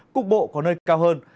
cục bộ có nơi cao hơn